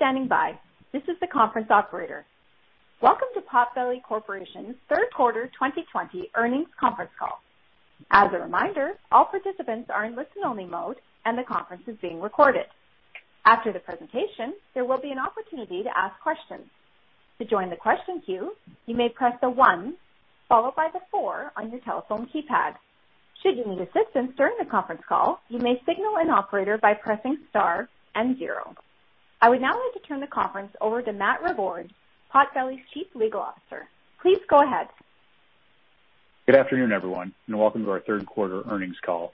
Are standing by. This is the conference operator. Welcome to Potbelly Corporation's Q3 2020 earnings conference call. As a reminder, all participants are in listen-only mode, and the conference is being recorded. After the presentation, there will be an opportunity to ask questions. To join the question queue, you may press the one followed by the four on your telephone keypad. Should you need assistance during the conference call, you may signal an operator by pressing star and zero. I would now like to turn the conference over to Matt Revord, Potbelly's Chief Legal Officer. Please go ahead. Good afternoon, everyone, and welcome to our Q3 earnings call.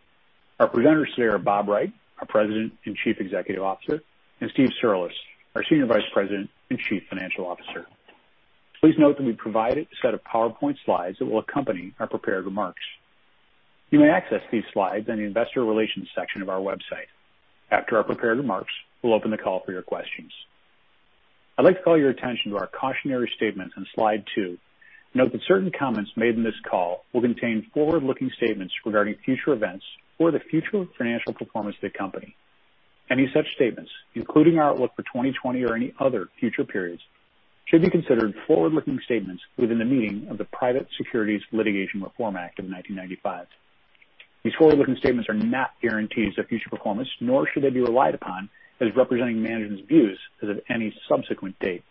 Our presenters today are Bob Wright, our President and Chief Executive Officer, and Steve Cirulis, our Senior Vice President and Chief Financial Officer. Please note that we provided a set of PowerPoint slides that will accompany our prepared remarks. You may access these slides in the investor relations section of our website. After our prepared remarks, we'll open the call for your questions. I'd like to call your attention to our cautionary statement on slide two. Note that certain comments made in this call will contain forward-looking statements regarding future events or the future financial performance of the company. Any such statements, including our outlook for 2020 or any other future periods, should be considered forward-looking statements within the meaning of the Private Securities Litigation Reform Act of 1995. These forward-looking statements are not guarantees of future performance, nor should they be relied upon as representing management's views as of any subsequent date.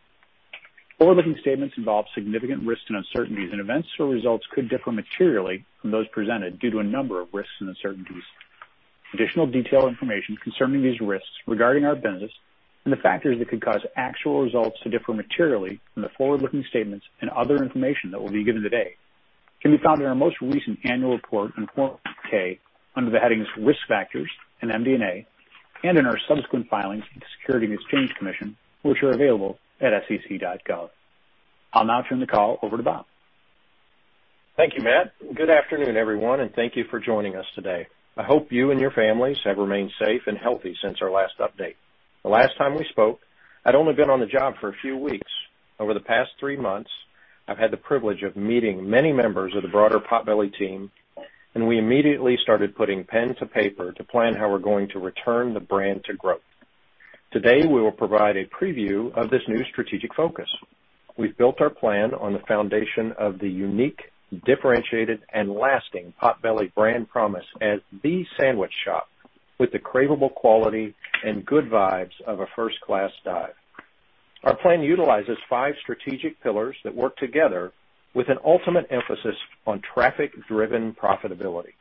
Forward-looking statements involve significant risks and uncertainties, and events or results could differ materially from those presented due to a number of risks and uncertainties. Additional detailed information concerning these risks regarding our business and the factors that could cause actual results to differ materially from the forward-looking statements and other information that will be given today can be found in our most recent annual report on Form 10-K under the headings Risk Factors and MD&A and in our subsequent filings with the Securities and Exchange Commission, which are available at sec.gov. I'll now turn the call over to Bob. Thank you, Matt. Good afternoon, everyone. Thank you for joining us today. I hope you and your families have remained safe and healthy since our last update. The last time we spoke, I'd only been on the job for a few weeks. Over the past three months, I've had the privilege of meeting many members of the broader Potbelly team. We immediately started putting pen to paper to plan how we're going to return the brand to growth. Today, we will provide a preview of this new strategic focus. We've built our plan on the foundation of the unique, differentiated, and lasting Potbelly brand promise as the sandwich shop with the craveable quality and good vibes of a first-class dive. Our plan utilizes five strategic pillars that work together with an ultimate emphasis on traffic-driven profitability.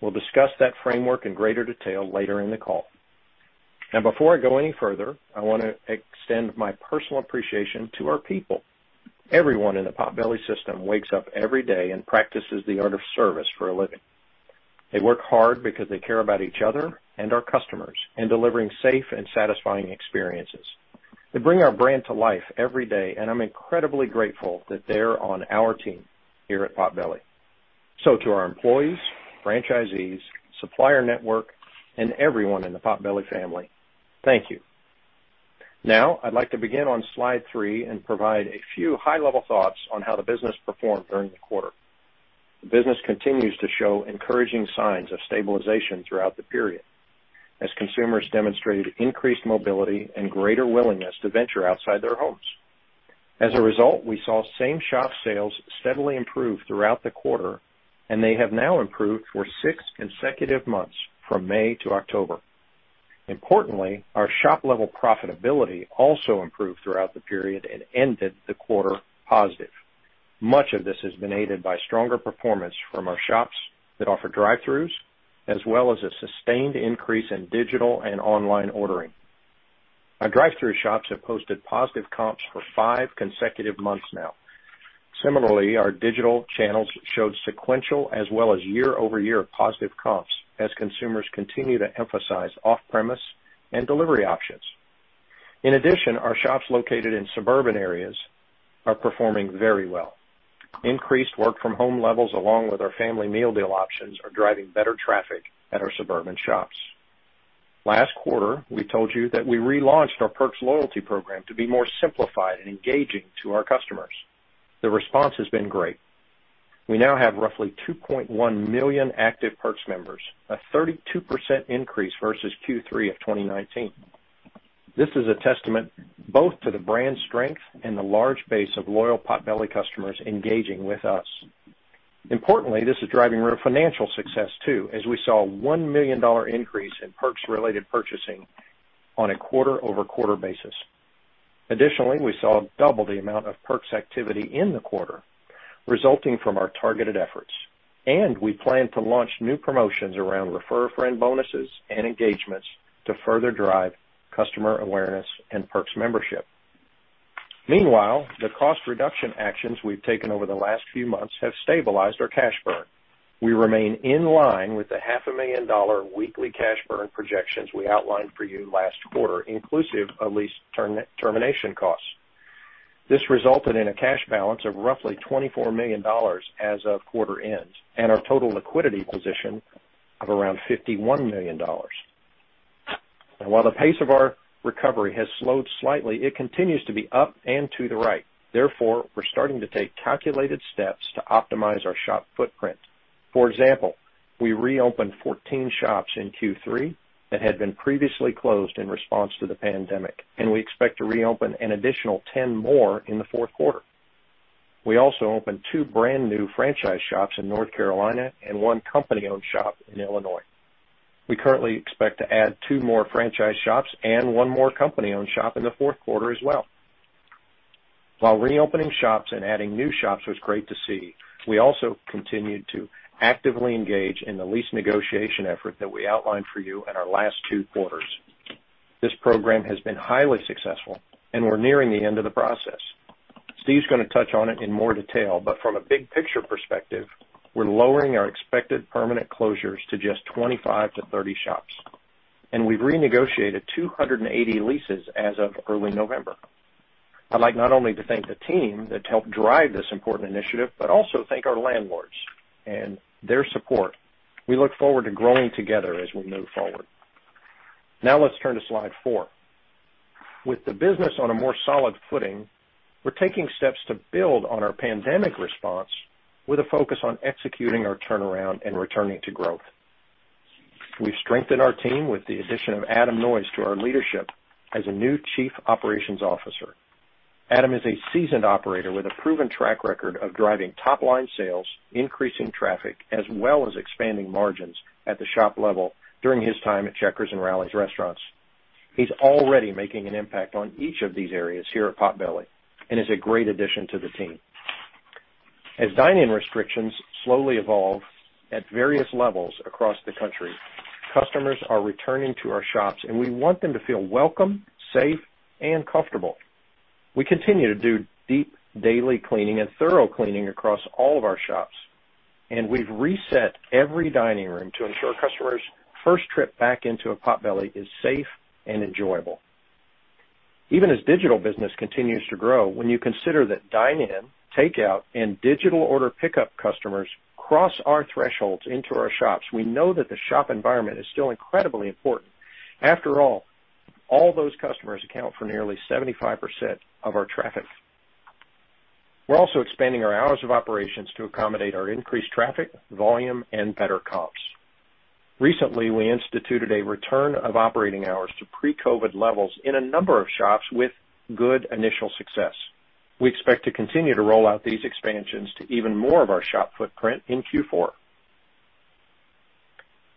We'll discuss that framework in greater detail later in the call. Before I go any further, I want to extend my personal appreciation to our people. Everyone in the Potbelly system wakes up every day and practices the art of service for a living. They work hard because they care about each other and our customers in delivering safe and satisfying experiences. They bring our brand to life every day. I'm incredibly grateful that they're on our team here at Potbelly. To our employees, franchisees, supplier network, and everyone in the Potbelly family, thank you. I'd like to begin on slide three and provide a few high-level thoughts on how the business performed during the quarter. The business continues to show encouraging signs of stabilization throughout the period as consumers demonstrated increased mobility and greater willingness to venture outside their homes. As a result, we saw same-shop sales steadily improve throughout the quarter, and they have now improved for six consecutive months from May to October. Importantly, our shop-level profitability also improved throughout the period and ended the quarter positive. Much of this has been aided by stronger performance from our shops that offer drive-throughs, as well as a sustained increase in digital and online ordering. Our drive-through shops have posted positive comps for five consecutive months now. Similarly, our digital channels showed sequential as well as year-over-year positive comps as consumers continue to emphasize off-premise and delivery options. In addition, our shops located in suburban areas are performing very well. Increased work-from-home levels, along with our family meal deal options, are driving better traffic at our suburban shops. Last quarter, we told you that we relaunched our Perks loyalty program to be more simplified and engaging to our customers. The response has been great. We now have roughly 2.1 million active Perks members, a 32% increase versus Q3 of 2019. This is a testament both to the brand strength and the large base of loyal Potbelly customers engaging with us. Importantly, this is driving real financial success too, as we saw a $1 million increase in Perks-related purchasing on a quarter-over-quarter basis. Additionally, we saw double the amount of Perks activity in the quarter resulting from our targeted efforts, and we plan to launch new promotions around refer-a-friend bonuses and engagements to further drive customer awareness and Perks membership. Meanwhile, the cost reduction actions we've taken over the last few months have stabilized our cash burn. We remain in line with the half a million dollar weekly cash burn projections we outlined for you last quarter, inclusive of lease termination costs. This resulted in a cash balance of roughly $24 million as of quarter end and our total liquidity position of around $51 million. While the pace of our recovery has slowed slightly, it continues to be up and to the right. We're starting to take calculated steps to optimize our shop footprint. For example, we reopened 14 shops in Q3 that had been previously closed in response to the pandemic, and we expect to reopen an additional 10 more in the Q4. We also opened two brand new franchise shops in North Carolina and one company-owned shop in Illinois. We currently expect to add two more franchise shops and one more company-owned shop in the Q4 as well. While reopening shops and adding new shops was great to see, we also continued to actively engage in the lease negotiation effort that we outlined for you in our last two quarters. This program has been highly successful and we're nearing the end of the process. Steve's going to touch on it in more detail, but from a big picture perspective, we're lowering our expected permanent closures to just 25-30 shops, and we've renegotiated 280 leases as of early November. I'd like not only to thank the team that helped drive this important initiative, but also thank our landlords and their support. We look forward to growing together as we move forward. Let's turn to slide four. With the business on a more solid footing, we're taking steps to build on our pandemic response with a focus on executing our turnaround and returning to growth. We've strengthened our team with the addition of Adam Noyes to our leadership as a new Chief Operations Officer. Adam is a seasoned operator with a proven track record of driving top-line sales, increasing traffic, as well as expanding margins at the shop level during his time at Checkers and Rally's restaurants. He's already making an impact on each of these areas here at Potbelly and is a great addition to the team. As dine-in restrictions slowly evolve at various levels across the country, customers are returning to our shops and we want them to feel welcome, safe, and comfortable. We continue to do deep daily cleaning and thorough cleaning across all of our shops, and we've reset every dining room to ensure customers' first trip back into a Potbelly is safe and enjoyable. Even as digital business continues to grow, when you consider that dine-in, takeout, and digital order pickup customers cross our thresholds into our shops, we know that the shop environment is still incredibly important. After all those customers account for nearly 75% of our traffic. We're also expanding our hours of operations to accommodate our increased traffic, volume, and better comps. Recently, we instituted a return of operating hours to pre-COVID levels in a number of shops with good initial success. We expect to continue to roll out these expansions to even more of our shop footprint in Q4.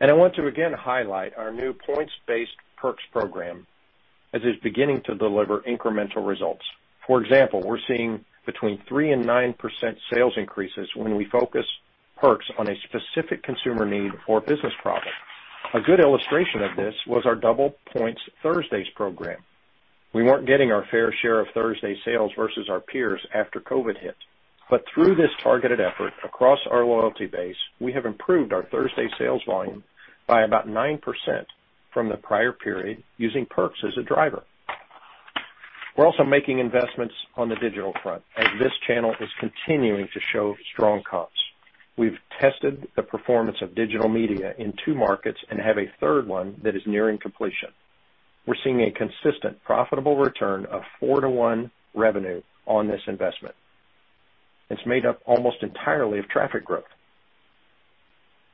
I want to again highlight our new points-based Perks program as it's beginning to deliver incremental results. For example, we're seeing between 3% and 9% sales increases when we focus perks on a specific consumer need or business problem. A good illustration of this was our double points Thursdays program. We weren't getting our fair share of Thursday sales versus our peers after COVID hit. Through this targeted effort across our loyalty base, we have improved our Thursday sales volume by about 9% from the prior period using Perks as a driver. We're also making investments on the digital front, as this channel is continuing to show strong comps. We've tested the performance of digital media in two markets and have a third one that is nearing completion. We're seeing a consistent profitable return of four to one revenue on this investment. It's made up almost entirely of traffic growth.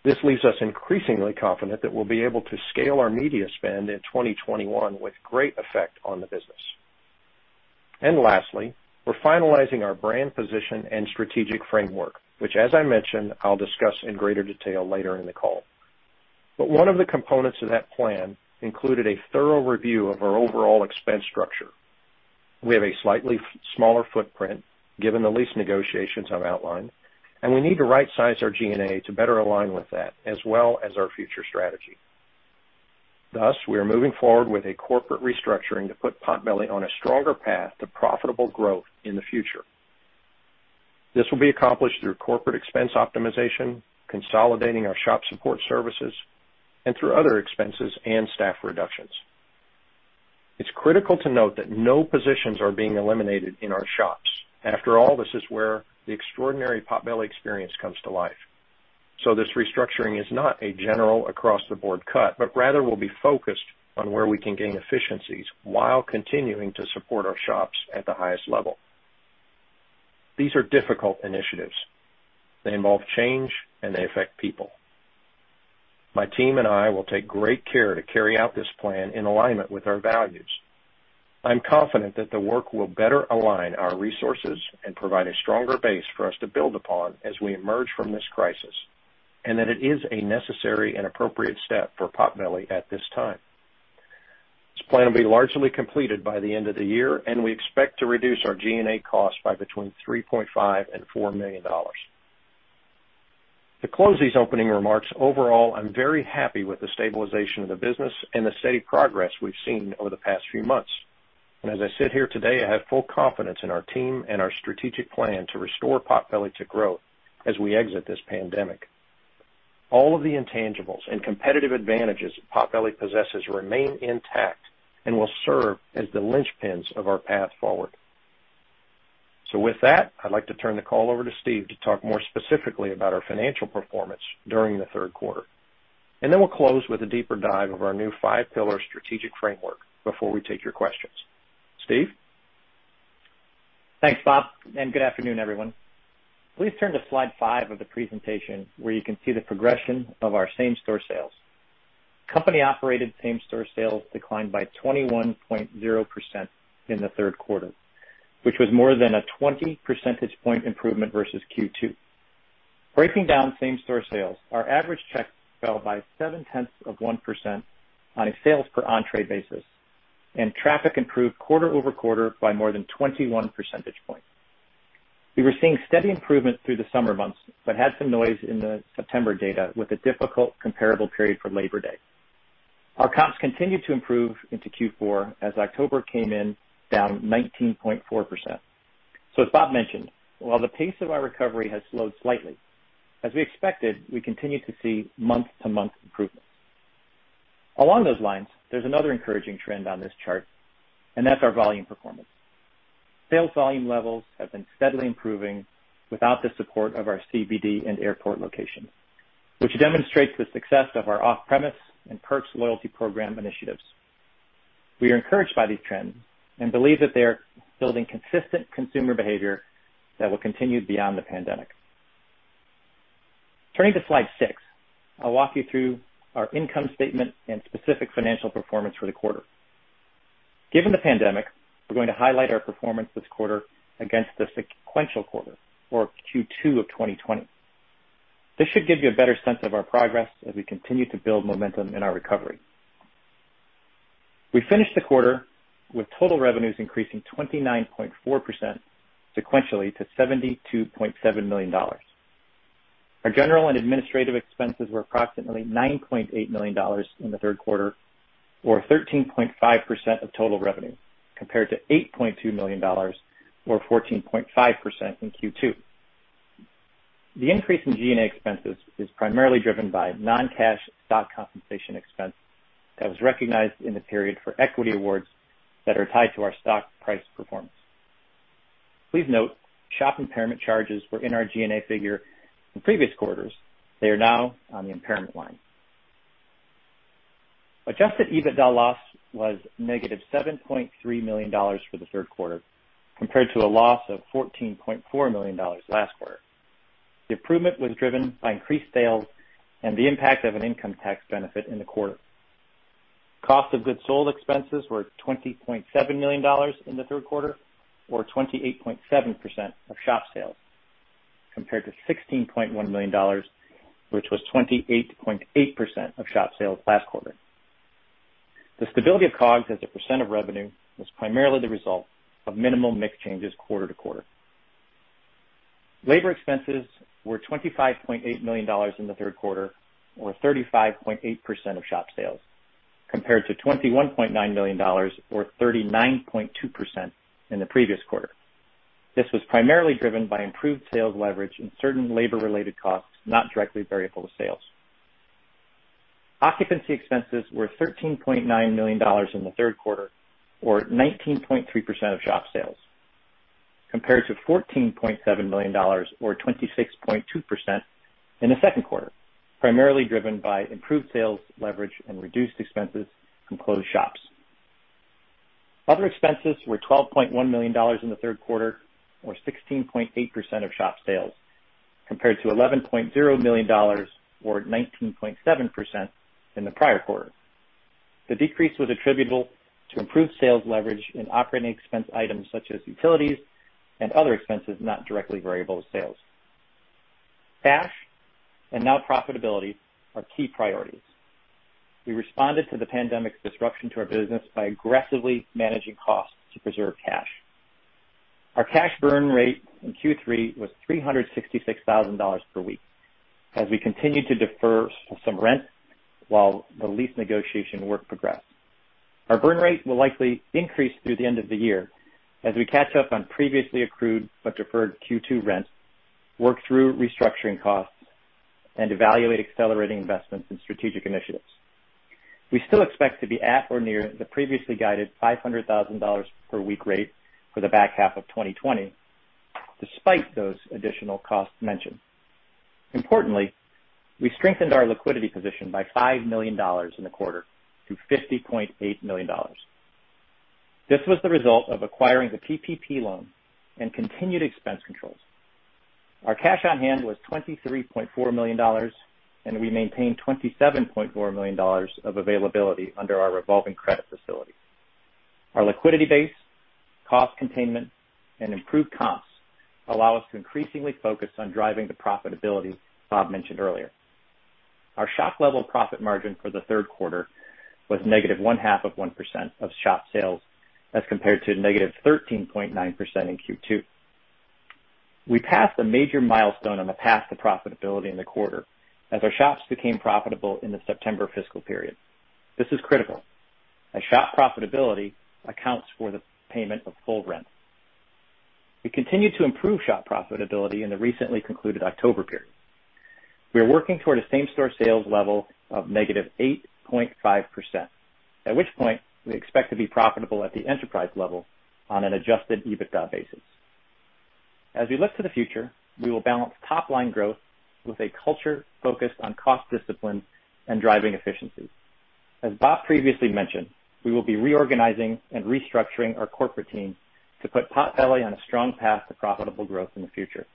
This leaves us increasingly confident that we'll be able to scale our media spend in 2021 with great effect on the business. Lastly, we're finalizing our brand position and strategic framework, which as I mentioned, I'll discuss in greater detail later in the call. One of the components of that plan included a thorough review of our overall expense structure. We have a slightly smaller footprint given the lease negotiations I've outlined, and we need to right size our G&A to better align with that as well as our future strategy. Thus, we are moving forward with a corporate restructuring to put Potbelly on a stronger path to profitable growth in the future. This will be accomplished through corporate expense optimization, consolidating our shop support services, and through other expenses and staff reductions. It's critical to note that no positions are being eliminated in our shops. After all, this is where the extraordinary Potbelly experience comes to life. This restructuring is not a general across the board cut, but rather will be focused on where we can gain efficiencies while continuing to support our shops at the highest level. These are difficult initiatives. They involve change and they affect people. My team and I will take great care to carry out this plan in alignment with our values. I'm confident that the work will better align our resources and provide a stronger base for us to build upon as we emerge from this crisis, and that it is a necessary and appropriate step for Potbelly at this time. This plan will be largely completed by the end of the year, and we expect to reduce our G&A costs by between $3.5 million and $4 million. To close these opening remarks, overall, I'm very happy with the stabilization of the business and the steady progress we've seen over the past few months. As I sit here today, I have full confidence in our team and our strategic plan to restore Potbelly to growth as we exit this pandemic. All of the intangibles and competitive advantages Potbelly possesses remain intact and will serve as the linchpins of our path forward. With that, I'd like to turn the call over to Steve to talk more specifically about our financial performance during the Q3. Then we'll close with a deeper dive of our new five-pillar strategic framework before we take your questions. Steve? Thanks, Bob, and good afternoon, everyone. Please turn to slide five of the presentation where you can see the progression of our same-store sales. Company operated same-store sales declined by 21.0% in the Q3, which was more than a 20 percentage point improvement versus Q2. Breaking down same-store sales, our average check fell by seven tenths of 1% on a sales per entrée basis, and traffic improved quarter-over-quarter by more than 21 percentage points. We were seeing steady improvement through the summer months, but had some noise in the September data with a difficult comparable period for Labor Day. Our comps continued to improve into Q4 as October came in down 19.4%. As Bob mentioned, while the pace of our recovery has slowed slightly, as we expected, we continue to see month-to-month improvements. Along those lines, there's another encouraging trend on this chart, and that's our volume performance. Sales volume levels have been steadily improving without the support of our CBD and airport locations, which demonstrates the success of our off-premise and Perks loyalty program initiatives. We are encouraged by these trends and believe that they are building consistent consumer behavior that will continue beyond the pandemic. Turning to slide six, I'll walk you through our income statement and specific financial performance for the quarter. Given the pandemic, we're going to highlight our performance this quarter against the sequential quarter or Q2 of 2020. This should give you a better sense of our progress as we continue to build momentum in our recovery. We finished the quarter with total revenues increasing 29.4% sequentially to $72.7 million. Our general and administrative expenses were approximately $9.8 million in the Q3 or 13.5% of total revenue, compared to $8.2 million or 14.5% in Q2. The increase in G&A expenses is primarily driven by non-cash stock compensation expense that was recognized in the period for equity awards that are tied to our stock price performance. Please note, shop impairment charges were in our G&A figure in previous quarters. They are now on the impairment line. Adjusted EBITDA loss was -$7.3 million for the Q3, compared to a loss of $14.4 million last quarter. The improvement was driven by increased sales and the impact of an income tax benefit in the quarter. Cost of goods sold expenses were $20.7 million in the Q3 or 28.7% of shop sales, compared to $16.1 million, which was 28.8% of shop sales last quarter. The stability of COGS as a percent of revenue was primarily the result of minimal mix changes quarter to quarter. Labor expenses were $25.8 million in the Q3 or 35.8% of shop sales, compared to $21.9 million or 39.2% in the previous quarter. This was primarily driven by improved sales leverage and certain labor related costs not directly variable to sales. Occupancy expenses were $13.9 million in the Q3 or 19.3% of shop sales, compared to $14.7 million or 26.2% in the Q2, primarily driven by improved sales leverage and reduced expenses from closed shops. Other expenses were $12.1 million in the Q3 or 16.8% of shop sales, compared to $11.0 million or 19.7% in the prior quarter. The decrease was attributable to improved sales leverage in operating expense items such as utilities and other expenses, not directly variable to sales. Cash and now profitability are key priorities. We responded to the pandemic's disruption to our business by aggressively managing costs to preserve cash. Our cash burn rate in Q3 was $366,000 per week as we continued to defer some rent while the lease negotiation work progressed. Our burn rate will likely increase through the end of the year as we catch up on previously accrued but deferred Q2 rents, work through restructuring costs, and evaluate accelerating investments in strategic initiatives. We still expect to be at or near the previously guided $500,000 per week rate for the back half of 2020, despite those additional costs mentioned. Importantly, we strengthened our liquidity position by $5 million in the quarter to $50.8 million. This was the result of acquiring the PPP loan and continued expense controls. Our cash on hand was $23.4 million, and we maintained $27.4 million of availability under our revolving credit facility. Our liquidity base, cost containment, and improved comps allow us to increasingly focus on driving the profitability Bob mentioned earlier. Our shop level profit margin for the Q3 was negative one-half of 1% of shop sales as compared to -13.9% in Q2. We passed a major milestone on the path to profitability in the quarter as our shops became profitable in the September fiscal period. This is critical, as shop profitability accounts for the payment of full rent. We continue to improve shop profitability in the recently concluded October period. We are working toward a same-store sales level of -8.5%, at which point we expect to be profitable at the enterprise level on an adjusted EBITDA basis. As we look to the future, we will balance top-line growth with a culture focused on cost discipline and driving efficiency. As Bob previously mentioned, we will be reorganizing and restructuring our corporate team to put Potbelly on a strong path to profitable growth in the future.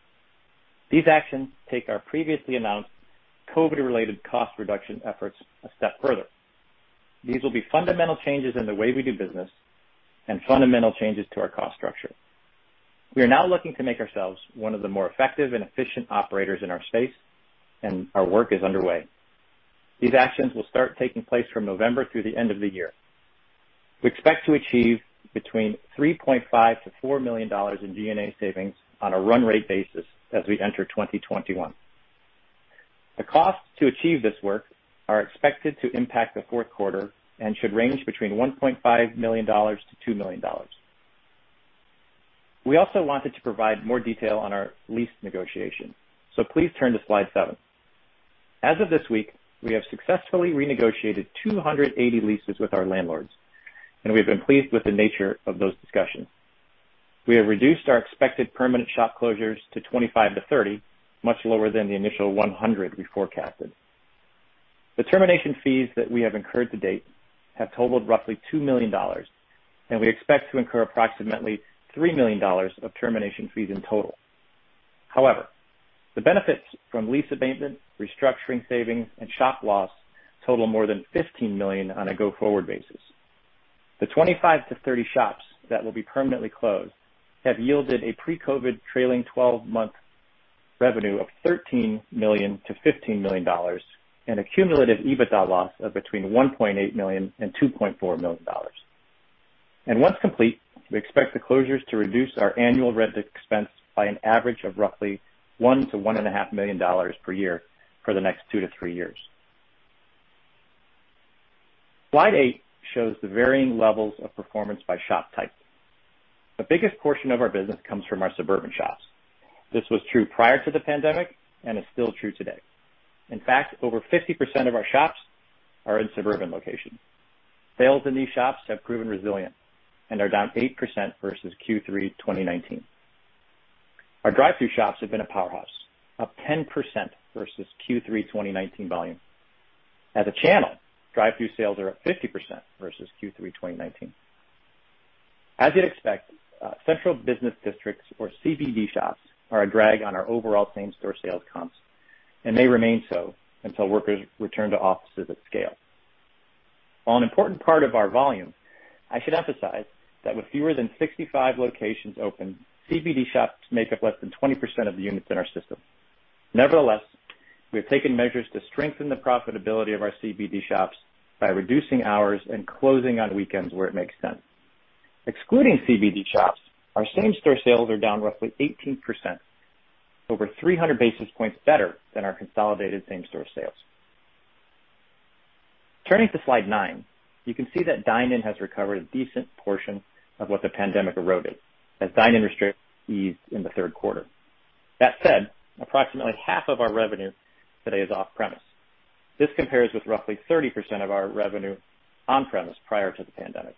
These actions take our previously announced COVID-related cost reduction efforts a step further. These will be fundamental changes in the way we do business and fundamental changes to our cost structure. We are now looking to make ourselves one of the more effective and efficient operators in our space, and our work is underway. These actions will start taking place from November through the end of the year. We expect to achieve between $3.5 million-$4 million in G&A savings on a run rate basis as we enter 2021. The costs to achieve this work are expected to impact the Q4 and should range between $1.5 million-$2 million. We also wanted to provide more detail on our lease negotiation, please turn to slide seven. As of this week, we have successfully renegotiated 280 leases with our landlords, and we've been pleased with the nature of those discussions. We have reduced our expected permanent shop closures to 25-30, much lower than the initial 100 we forecasted. The termination fees that we have incurred to date have totaled roughly $2 million, and we expect to incur approximately $3 million of termination fees in total. However, the benefits from lease abatement, restructuring savings, and shop loss total more than $15 million on a go-forward basis. The 25-30 shops that will be permanently closed have yielded a pre-COVID trailing 12-month revenue of $13 million-$15 million, and a cumulative EBITDA loss of between $1.8 million and $2.4 million. Once complete, we expect the closures to reduce our annual rent expense by an average of roughly $1 million-$1.5 million per year for the next two to three years. Slide eight shows the varying levels of performance by shop type. The biggest portion of our business comes from our suburban shops. This was true prior to the pandemic and is still true today. In fact, over 50% of our shops are in suburban locations. Sales in these shops have proven resilient and are down 8% versus Q3 2019. Our drive-thru shops have been a powerhouse, up 10% versus Q3 2019 volume. As a channel, drive-thru sales are up 50% versus Q3 2019. As you'd expect, central business districts, or CBD shops, are a drag on our overall same-store sales comps, and may remain so until workers return to offices at scale. While an important part of our volume, I should emphasize that with fewer than 65 locations open, CBD shops make up less than 20% of the units in our system. Nevertheless, we have taken measures to strengthen the profitability of our CBD shops by reducing hours and closing on weekends where it makes sense. Excluding CBD shops, our same-store sales are down roughly 18%, over 300 basis points better than our consolidated same-store sales. Turning to slide nine, you can see that dine-in has recovered a decent portion of what the pandemic eroded as dine-in restrictions eased in the Q3. That said, approximately half of our revenue today is off-premise. This compares with roughly 30% of our revenue on-premise prior to the pandemic.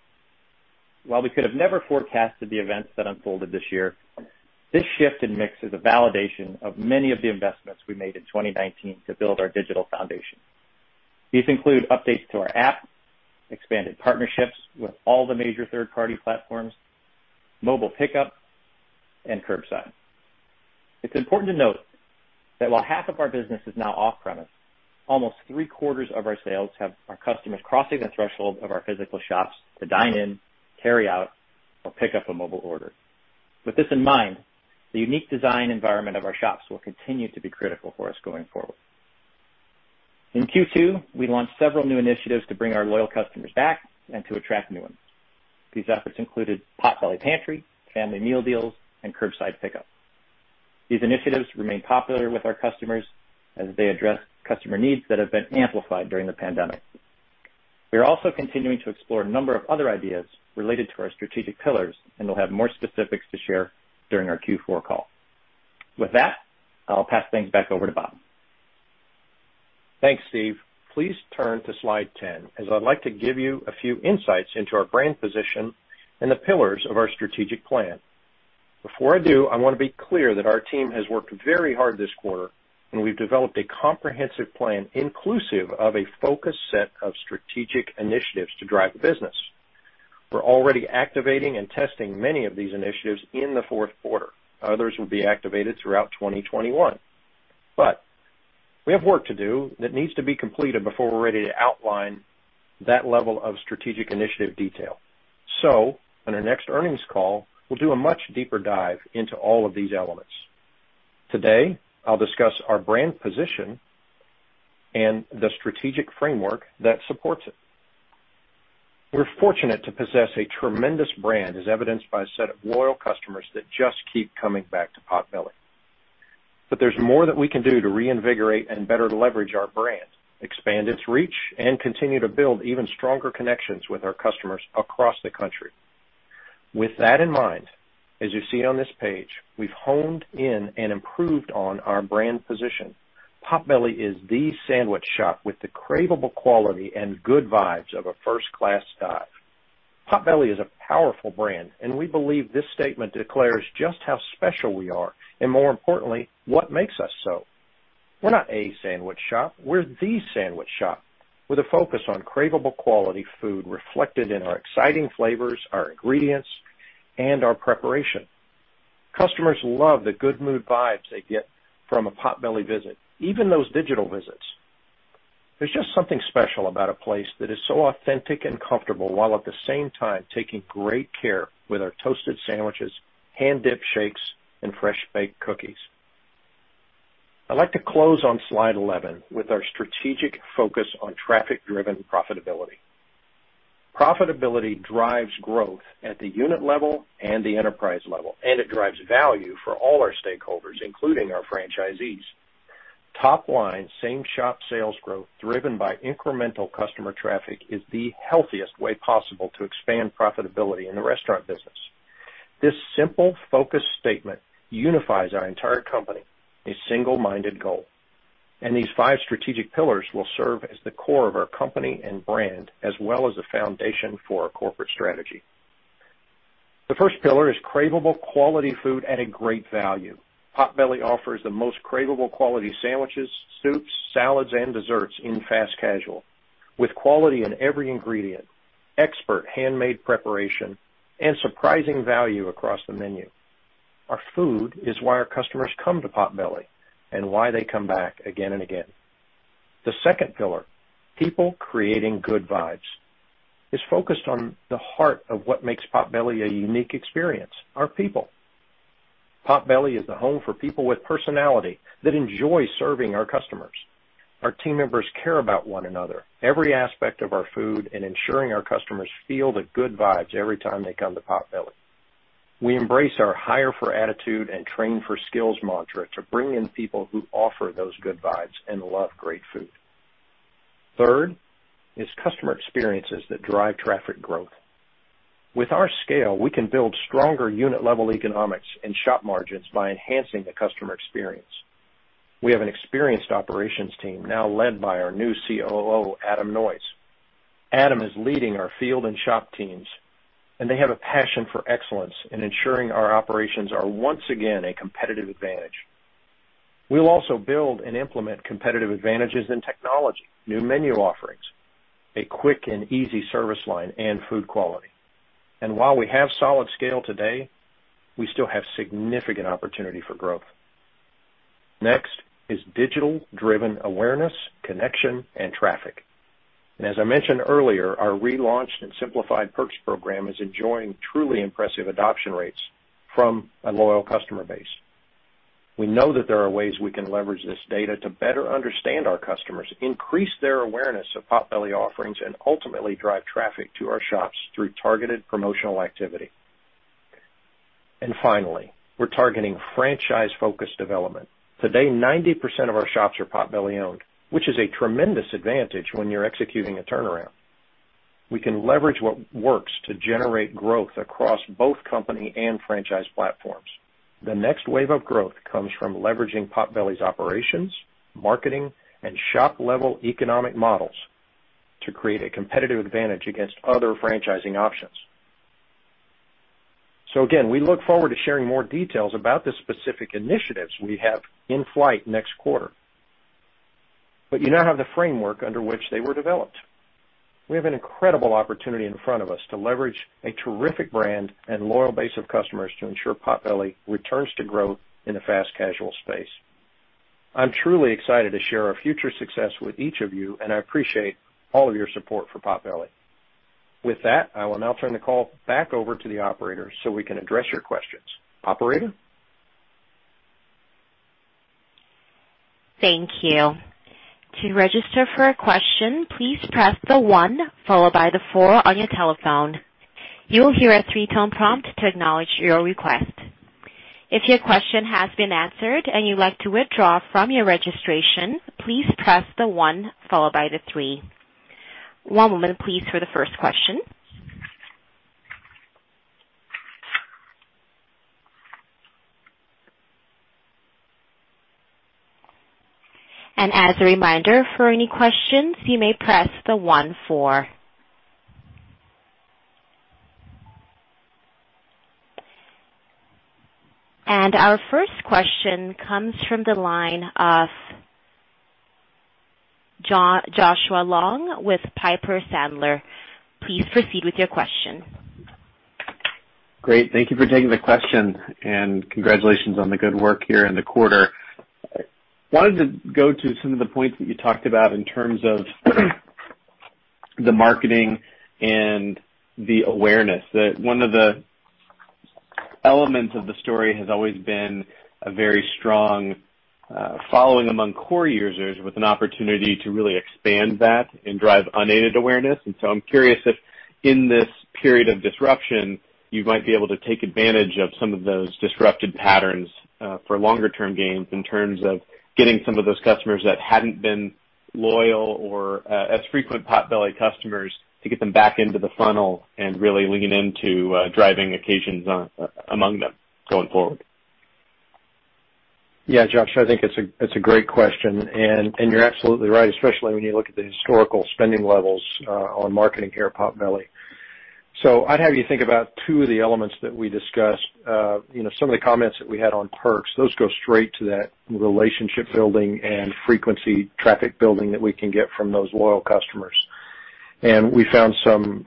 While we could have never forecasted the events that unfolded this year, this shift in mix is a validation of many of the investments we made in 2019 to build our digital foundation. These include updates to our app, expanded partnerships with all the major third-party platforms, mobile pickup, and curbside. It's important to note that while half of our business is now off-premise, almost three-quarters of our sales have our customers crossing the threshold of our physical shops to dine in, carry out, or pick up a mobile order. With this in mind, the unique design environment of our shops will continue to be critical for us going forward. In Q2, we launched several new initiatives to bring our loyal customers back and to attract new ones. These efforts included Potbelly Pantry, family meal deals, and curbside pickup. These initiatives remain popular with our customers as they address customer needs that have been amplified during the pandemic. We are also continuing to explore a number of other ideas related to our strategic pillars, and we'll have more specifics to share during our Q4 call. With that, I'll pass things back over to Bob. Thanks, Steve. Please turn to slide 10, as I'd like to give you a few insights into our brand position and the pillars of our strategic plan. Before I do, I want to be clear that our team has worked very hard this quarter, and we've developed a comprehensive plan inclusive of a focused set of strategic initiatives to drive the business. We're already activating and testing many of these initiatives in the Q4. Others will be activated throughout 2021. We have work to do that needs to be completed before we're ready to outline that level of strategic initiative detail. On our next earnings call, we'll do a much deeper dive into all of these elements. Today, I'll discuss our brand position and the strategic framework that supports it. We're fortunate to possess a tremendous brand, as evidenced by a set of loyal customers that just keep coming back to Potbelly. There's more that we can do to reinvigorate and better leverage our brand, expand its reach, and continue to build even stronger connections with our customers across the country. With that in mind, as you see on this page, we've honed in and improved on our brand position. Potbelly is the sandwich shop with the craveable quality and good vibes of a first-class dive. Potbelly is a powerful brand, and we believe this statement declares just how special we are and, more importantly, what makes us so. We're not a sandwich shop. We're the sandwich shop with a focus on craveable quality food reflected in our exciting flavors, our ingredients, and our preparation. Customers love the good mood vibes they get from a Potbelly visit, even those digital visits. There's just something special about a place that is so authentic and comfortable, while at the same time taking great care with our toasted sandwiches, hand-dipped shakes, and fresh-baked cookies. I'd like to close on slide 11 with our strategic focus on traffic-driven profitability. Profitability drives growth at the unit level and the enterprise level, and it drives value for all our stakeholders, including our franchisees. Top-line same-shop sales growth driven by incremental customer traffic is the healthiest way possible to expand profitability in the restaurant business. This simple focus statement unifies our entire company, a single-minded goal, and these five strategic pillars will serve as the core of our company and brand, as well as the foundation for our corporate strategy. The first pillar is craveable quality food at a great value. Potbelly offers the most craveable quality sandwiches, soups, salads, and desserts in fast casual, with quality in every ingredient, expert handmade preparation, and surprising value across the menu. Our food is why our customers come to Potbelly and why they come back again and again. The second pillar, people creating good vibes, is focused on the heart of what makes Potbelly a unique experience. Our people. Potbelly is the home for people with personality that enjoy serving our customers. Our team members care about one another, every aspect of our food, and ensuring our customers feel the good vibes every time they come to Potbelly. We embrace our hire for attitude and train for skills mantra to bring in people who offer those good vibes and love great food. Third is customer experiences that drive traffic growth. With our scale, we can build stronger unit-level economics and shop margins by enhancing the customer experience. We have an experienced operations team now led by our new COO, Adam Noyes. Adam is leading our field and shop teams, they have a passion for excellence in ensuring our operations are once again a competitive advantage. We'll also build and implement competitive advantages in technology, new menu offerings, a quick and easy service line, and food quality. While we have solid scale today, we still have significant opportunity for growth. Next is digital-driven awareness, connection, and traffic. As I mentioned earlier, our relaunched and simplified Potbelly Perks program is enjoying truly impressive adoption rates from a loyal customer base. We know that there are ways we can leverage this data to better understand our customers, increase their awareness of Potbelly offerings, and ultimately drive traffic to our shops through targeted promotional activity. Finally, we're targeting franchise-focused development. Today, 90% of our shops are Potbelly-owned, which is a tremendous advantage when you're executing a turnaround. We can leverage what works to generate growth across both company and franchise platforms. The next wave of growth comes from leveraging Potbelly's operations, marketing, and shop-level economic models to create a competitive advantage against other franchising options. Again, we look forward to sharing more details about the specific initiatives we have in flight next quarter. You now have the framework under which they were developed. We have an incredible opportunity in front of us to leverage a terrific brand and loyal base of customers to ensure Potbelly returns to growth in the fast casual space. I'm truly excited to share our future success with each of you, and I appreciate all of your support for Potbelly. With that, I will now turn the call back over to the operator so we can address your questions. Operator? Thank you. To register for a question, please press the one followed by the four on your telephone. You will hear a three-tone prompt to acknowledge your request. If your question has been answered and you'd like to withdraw from your registration, please press the one followed by the three. One moment please for the first question. As a reminder, for any questions, you may press the one four. Our first question comes from the line of Joshua Long with Piper Sandler. Please proceed with your question. Great. Thank you for taking the question, and congratulations on the good work here in the quarter. Wanted to go to some of the points that you talked about in terms of the marketing and the awareness, that one of the elements of the story has always been a very strong following among core users with an opportunity to really expand that and drive unaided awareness. I'm curious if in this period of disruption, you might be able to take advantage of some of those disrupted patterns for longer-term gains in terms of getting some of those customers that hadn't been loyal or as frequent Potbelly customers to get them back into the funnel and really lean into driving occasions among them going forward. Josh, I think it's a great question, and you're absolutely right, especially when you look at the historical spending levels on marketing here at Potbelly. I'd have you think about two of the elements that we discussed. Some of the comments that we had on Perks, those go straight to that relationship building and frequency traffic building that we can get from those loyal customers. We found some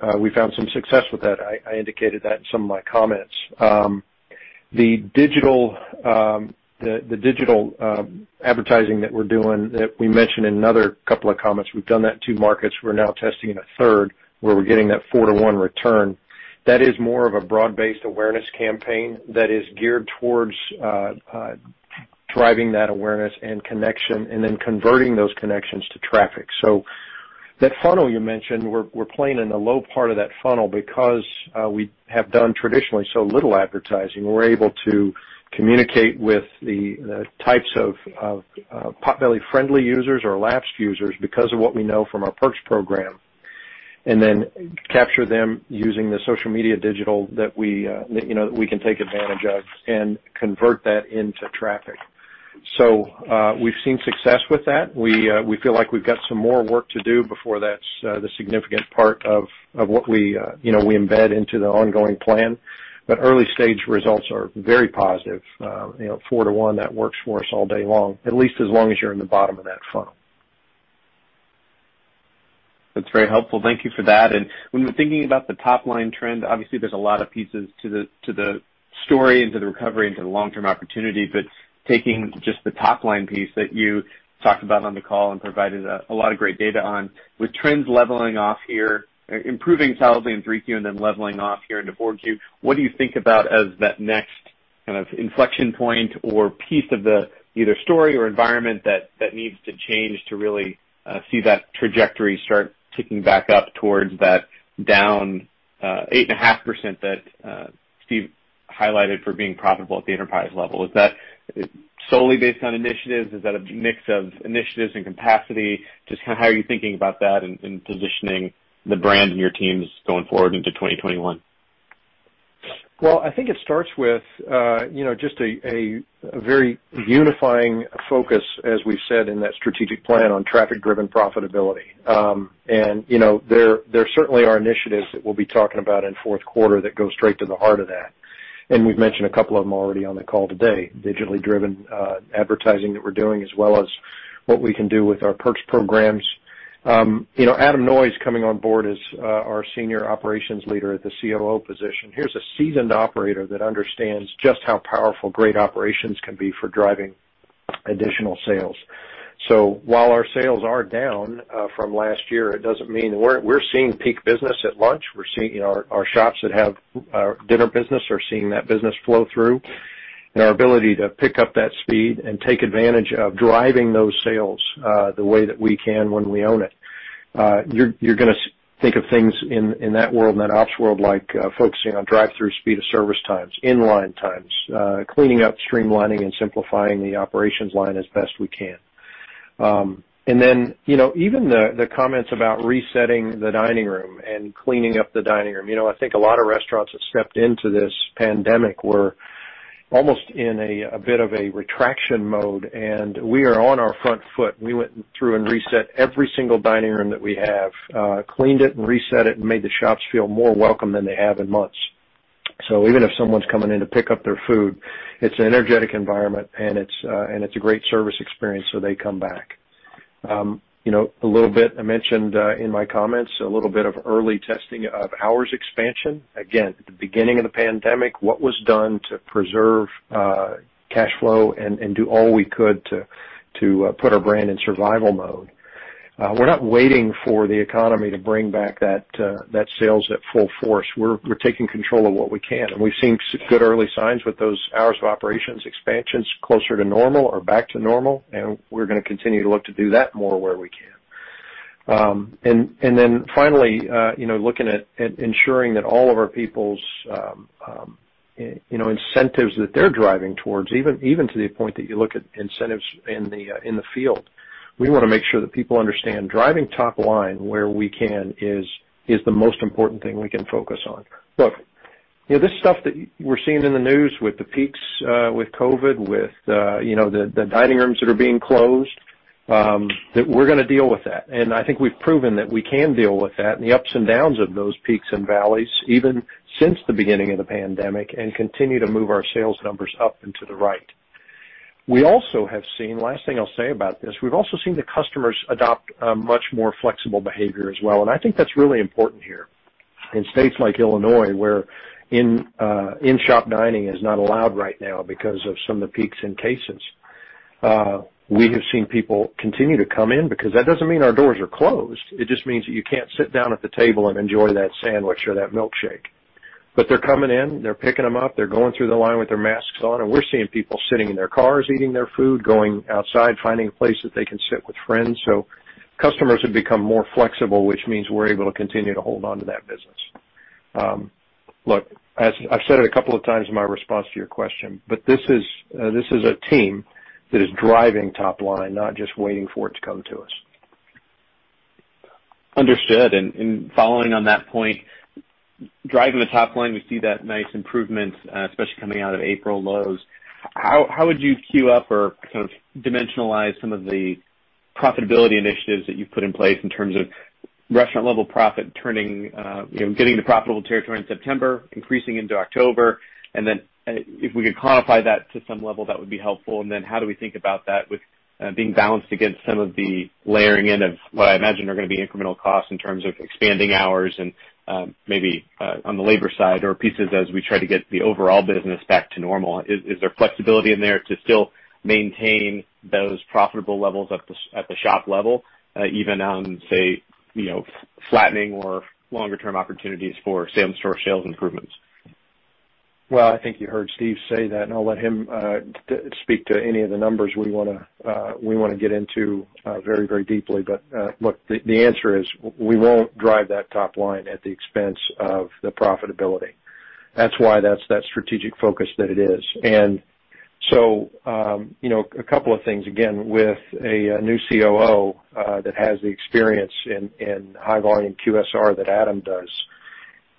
success with that. I indicated that in some of my comments. The digital advertising that we're doing, that we mentioned in another couple of comments, we've done that in two markets. We're now testing in a third, where we're getting that 4 to 1 return. That is more of a broad-based awareness campaign that is geared towards driving that awareness and connection and then converting those connections to traffic. That funnel you mentioned, we're playing in the low part of that funnel because we have done traditionally so little advertising. We're able to communicate with the types of Potbelly-friendly users or lapsed users because of what we know from our Potbelly Perks program, and then capture them using the social media digital that we can take advantage of and convert that into traffic. We've seen success with that. We feel like we've got some more work to do before that's the significant part of what we embed into the ongoing plan. Early-stage results are very positive. 4:1, that works for us all day long, at least as long as you're in the bottom of that funnel. That's very helpful. Thank you for that. When we're thinking about the top-line trend, obviously there's a lot of pieces to the story, and to the recovery, and to the long-term opportunity. Taking just the top-line piece that you talked about on the call and provided a lot of great data on, with trends leveling off here, improving solidly in Q3 and then leveling off here into Q4, what do you think about as that next kind of inflection point or piece of the either story or environment that needs to change to really see that trajectory start ticking back up towards that down 8.5% that Steve highlighted for being profitable at the enterprise level? Is that solely based on initiatives? Is that a mix of initiatives and capacity? Just how are you thinking about that and positioning the brand and your teams going forward into 2021? I think it starts with just a very unifying focus, as we've said in that strategic plan, on traffic-driven profitability. There certainly are initiatives that we'll be talking about in the Q4 that go straight to the heart of that. We've mentioned a couple of them already on the call today, digitally driven advertising that we're doing as well as what we can do with our Potbelly Perks. Adam Noyes coming on board as our senior operations leader at the COO position. Here's a seasoned operator that understands just how powerful great operations can be for driving additional sales. While our sales are down from last year, we're seeing peak business at lunch. Our shops that have dinner business are seeing that business flow through, and our ability to pick up that speed and take advantage of driving those sales the way that we can when we own it. You're gonna think of things in that world, in that ops world, like focusing on drive-thru speed of service times, in-line times, cleaning up, streamlining, and simplifying the operations line as best we can. Then, even the comments about resetting the dining room and cleaning up the dining room. I think a lot of restaurants that stepped into this pandemic were almost in a bit of a retraction mode, and we are on our front foot. We went through and reset every single dining room that we have, cleaned it and reset it, and made the shops feel more welcome than they have in months. Even if someone's coming in to pick up their food, it's an energetic environment, and it's a great service experience, so they come back. A little bit, I mentioned in my comments, a little bit of early testing of hours expansion. Again, at the beginning of the pandemic, what was done to preserve cash flow and do all we could to put our brand in survival mode. We're not waiting for the economy to bring back that sales at full force. We're taking control of what we can, and we've seen good early signs with those hours of operations expansions closer to normal or back to normal, and we're gonna continue to look to do that more where we can. Finally, looking at ensuring that all of our people's incentives that they're driving towards, even to the point that you look at incentives in the field. We want to make sure that people understand driving top line where we can is the most important thing we can focus on. Look, this stuff that we're seeing in the news with the peaks with COVID, with the dining rooms that are being closed, that we're gonna deal with that. I think we've proven that we can deal with that and the ups and downs of those peaks and valleys, even since the beginning of the pandemic, and continue to move our sales numbers up and to the right. We also have seen, last thing I'll say about this, we've also seen the customers adopt a much more flexible behavior as well, and I think that's really important here. In states like Illinois, where in-shop dining is not allowed right now because of some of the peaks in cases, we have seen people continue to come in because that doesn't mean our doors are closed. It just means that you can't sit down at the table and enjoy that sandwich or that milkshake. They're coming in, they're picking them up, they're going through the line with their masks on, and we're seeing people sitting in their cars eating their food, going outside, finding a place that they can sit with friends. Customers have become more flexible, which means we're able to continue to hold on to that business. Look, as I've said it a couple of times in my response to your question, but this is a team that is driving top line, not just waiting for it to come to us. Understood. Following on that point, driving the top line, we see that nice improvement, especially coming out of April lows. How would you queue up or dimensionalize some of the profitability initiatives that you've put in place in terms of restaurant level profit getting to profitable territory in September, increasing into October? If we could quantify that to some level, that would be helpful. How do we think about that with being balanced against some of the layering in of what I imagine are going to be incremental costs in terms of expanding hours and maybe on the labor side or pieces as we try to get the overall business back to normal? Is there flexibility in there to still maintain those profitable levels at the shop level, even on, say, flattening or longer term opportunities for same-store sales improvements? I think you heard Steve say that, and I'll let him speak to any of the numbers we want to get into very deeply. Look, the answer is, we won't drive that top line at the expense of the profitability. That's why that's that strategic focus that it is. A couple of things, again, with a new COO that has the experience in high volume QSR that Adam does,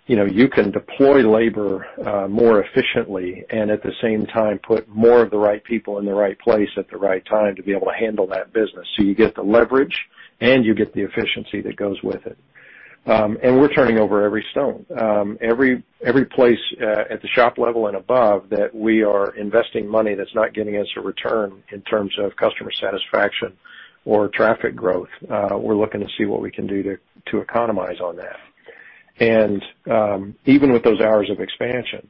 you can deploy labor more efficiently and at the same time put more of the right people in the right place at the right time to be able to handle that business. You get the leverage and you get the efficiency that goes with it. We're turning over every stone. Every place at the shop level and above that we are investing money that's not getting us a return in terms of customer satisfaction or traffic growth, we're looking to see what we can do to economize on that. Even with those hours of expansion,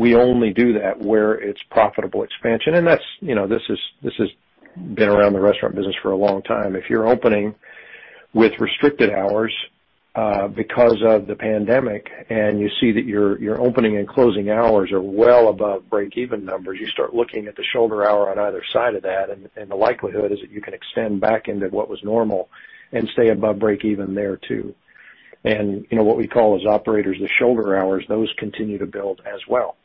we only do that where it's profitable expansion. This has been around the restaurant business for a long time. If you're opening with restricted hours because of the pandemic, and you see that your opening and closing hours are well above break even numbers, you start looking at the shoulder hour on either side of that, and the likelihood is that you can extend back into what was normal and stay above break even there, too. What we call as operators, the shoulder hours, those continue to build as well.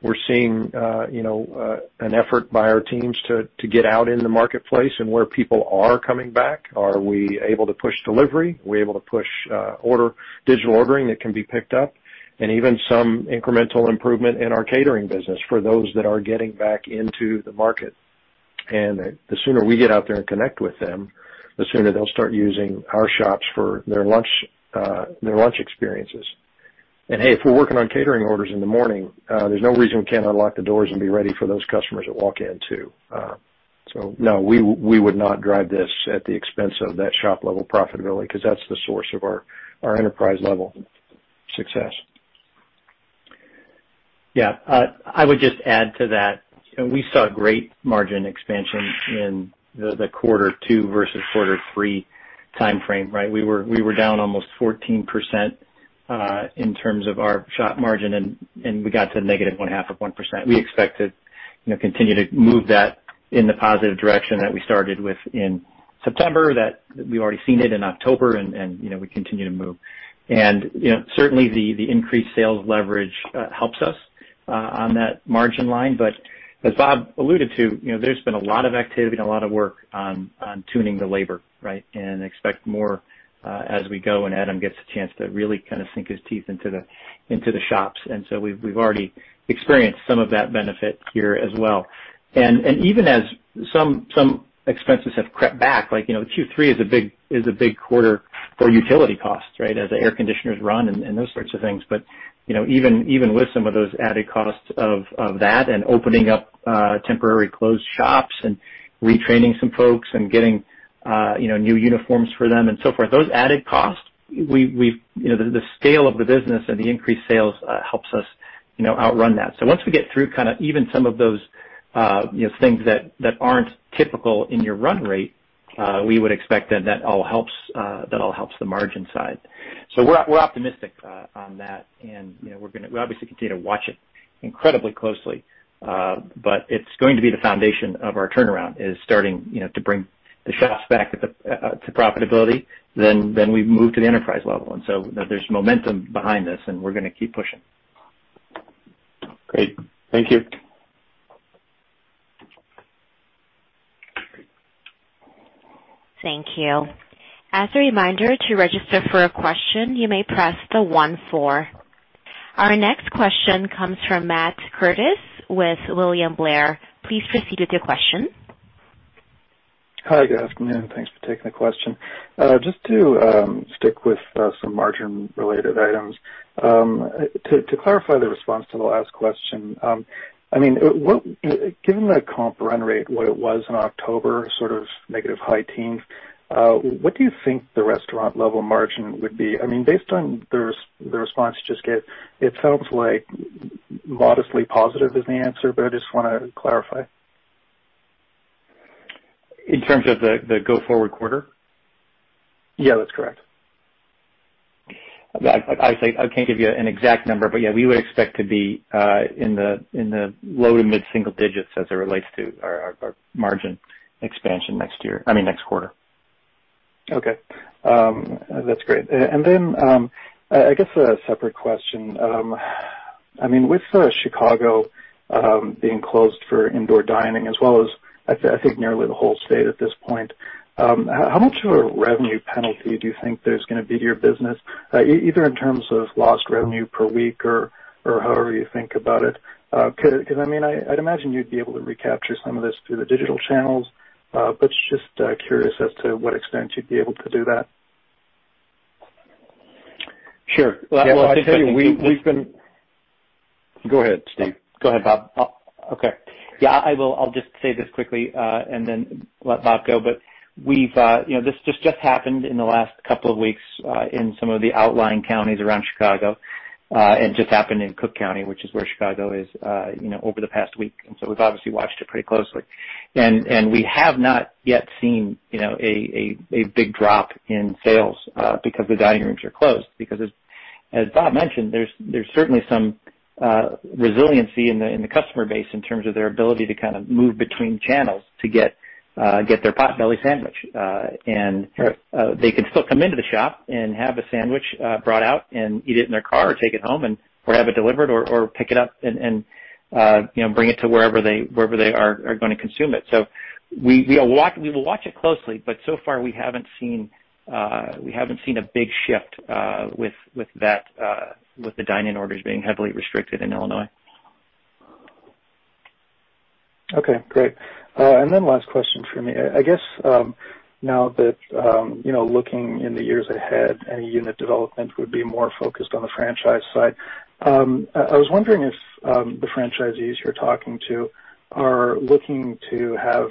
We're seeing an effort by our teams to get out in the marketplace and where people are coming back. Are we able to push delivery? Are we able to push digital ordering that can be picked up? Even some incremental improvement in our catering business for those that are getting back into the market. The sooner we get out there and connect with them, the sooner they'll start using our shops for their lunch experiences. Hey, if we're working on catering orders in the morning, there's no reason we can't unlock the doors and be ready for those customers that walk in, too. No, we would not drive this at the expense of that shop level profitability, because that's the source of our enterprise level success. Yeah. I would just add to that, we saw great margin expansion in the quarter two versus quarter three timeframe. We were down almost 14% in terms of our shop margin, and we got to negative one half of 1%. We expect to continue to move that in the positive direction that we started with in September, that we've already seen it in October and we continue to move. Certainly the increased sales leverage helps us on that margin line. As Bob alluded to, there's been a lot of activity and a lot of work on tuning the labor. Expect more as we go and Adam gets a chance to really sink his teeth into the shops. We've already experienced some of that benefit here as well. Even as some expenses have crept back, like Q3 is a big quarter for utility costs as the air conditioners run and those sorts of things. Even with some of those added costs of that and opening up temporary closed shops and retraining some folks and getting new uniforms for them and so forth, those added costs, the scale of the business and the increased sales helps us outrun that. Once we get through even some of those things that aren't typical in your run rate, we would expect that that all helps the margin side. We're optimistic on that, and we'll obviously continue to watch it incredibly closely. It's going to be the foundation of our turnaround is starting to bring the shops back to profitability. We move to the enterprise level. There's momentum behind this, and we're going to keep pushing. Great. Thank you. Thank you. As a reminder to register for a question, you may press the one four. Our next question comes from Matt Curtis with William Blair. Please proceed with your question. Hi, good afternoon. Thanks for taking the question. Just to stick with some margin related items. To clarify the response to the last question. Given the comp run rate, what it was in October, sort of negative high teens, what do you think the restaurant level margin would be? Based on the response you just gave, it sounds like modestly positive is the answer, but I just want to clarify. In terms of the go forward quarter? Yeah, that's correct. I'd say I can't give you an exact number, but yeah, we would expect to be in the low to mid single digits as it relates to our margin expansion next quarter. Okay. That's great. I guess a separate question. With Chicago being closed for indoor dining as well as, I think, nearly the whole state at this point, how much of a revenue penalty do you think there's going to be to your business, either in terms of lost revenue per week or however you think about it? Because I'd imagine you'd be able to recapture some of this through the digital channels, but just curious as to what extent you'd be able to do that. Sure. Well, I'll tell you. Go ahead, Steve. Go ahead, Bob. Okay. Yeah, I will just say this quickly, and then let Bob go. This just happened in the last couple of weeks in some of the outlying counties around Chicago, and just happened in Cook County, which is where Chicago is, over the past week, and so we've obviously watched it pretty closely. We have not yet seen a big drop in sales because the dining rooms are closed, because as Bob mentioned, there's certainly some resiliency in the customer base in terms of their ability to move between channels to get their Potbelly sandwich. Sure. They can still come into the shop and have a sandwich brought out and eat it in their car, or take it home, or have it delivered, or pick it up and bring it to wherever they are going to consume it. We will watch it closely, but so far, we haven't seen a big shift with the dine-in orders being heavily restricted in Illinois. Okay, great. Last question from me. I guess now that looking in the years ahead, any unit development would be more focused on the franchise side. I was wondering if the franchisees you're talking to are looking to have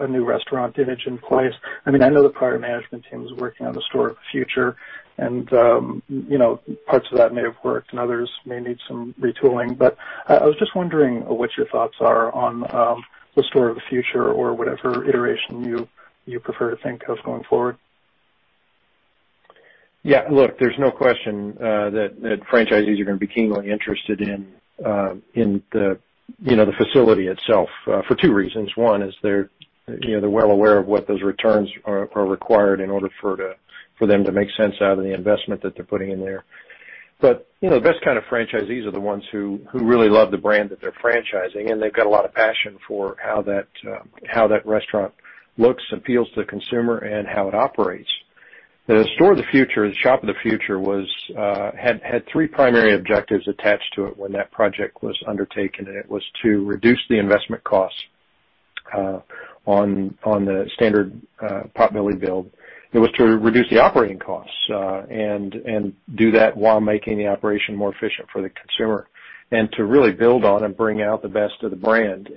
a new restaurant image in place. I know the prior management team was working on the store of the future, and parts of that may have worked and others may need some retooling, but I was just wondering what your thoughts are on the store of the future or whatever iteration you prefer to think of going forward. Yeah, look, there's no question that franchisees are going to be keenly interested in the facility itself, for two reasons. One is they're well aware of what those returns are required in order for them to make sense out of the investment that they're putting in there. The best kind of franchisees are the ones who really love the brand that they're franchising, and they've got a lot of passion for how that restaurant looks, appeals to the consumer, and how it operates. The store of the future, the shop of the future, had three primary objectives attached to it when that project was undertaken, and it was to reduce the investment costs on the standard Potbelly build. It was to reduce the operating costs, and do that while making the operation more efficient for the consumer, and to really build on and bring out the best of the brand.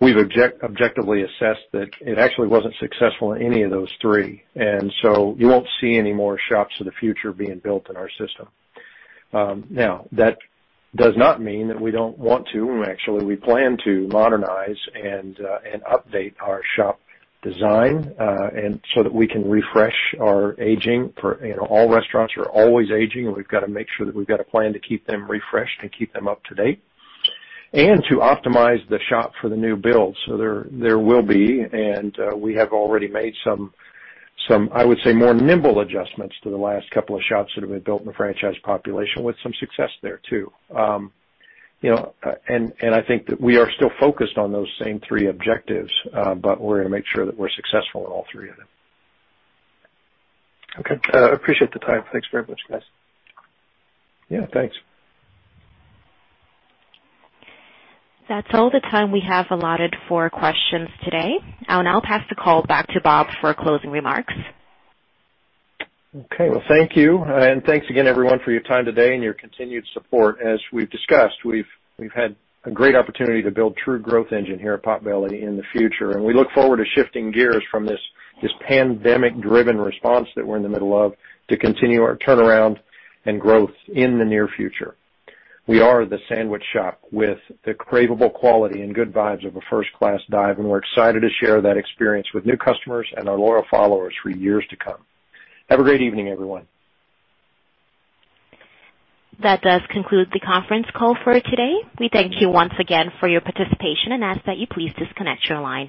We've objectively assessed that it actually wasn't successful in any of those three, and so you won't see any more shops of the future being built in our system. Now, that does not mean that we don't want to. Actually, we plan to modernize and update our shop design so that we can refresh our aging. All restaurants are always aging, and we've got to make sure that we've got a plan to keep them refreshed and keep them up to date, and to optimize the shop for the new builds. There will be, and we have already made some, I would say, more nimble adjustments to the last couple of shops that have been built in the franchise population with some success there, too. I think that we are still focused on those same three objectives, but we're going to make sure that we're successful in all three of them. Okay. Appreciate the time. Thanks very much, guys. Yeah, thanks. That's all the time we have allotted for questions today. I'll now pass the call back to Bob for closing remarks. Okay. Well, thank you. Thanks again, everyone, for your time today and your continued support. As we've discussed, we've had a great opportunity to build true growth engine here at Potbelly in the future, and we look forward to shifting gears from this pandemic-driven response that we're in the middle of to continue our turnaround and growth in the near future. We are the sandwich shop with the craveable quality and good vibes of a first-class dive, and we're excited to share that experience with new customers and our loyal followers for years to come. Have a great evening, everyone. That does conclude the conference call for today. We thank you once again for your participation and ask that you please disconnect your line.